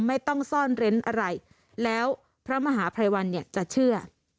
ไม่ต้องซ่อนเร้นอะไรแล้วพระมหาภัยวันเนี่ยจะเชื่อ